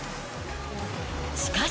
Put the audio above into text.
しかし、